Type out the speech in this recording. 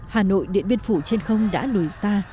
hà nội điện biên phủ trên không đã lùi xa